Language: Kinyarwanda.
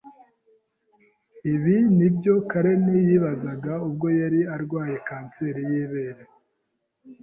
Ibi nibyo Karen yibazaga ubwo yari arwaye kanseri y’ibere